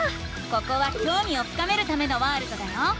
ここはきょうみを深めるためのワールドだよ。